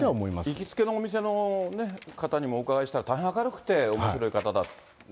行きつけのお店の方にもお伺いしたら大変明るくておもしろい方だ。